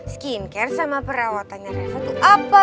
skincare sama perawatannya reva tuh apa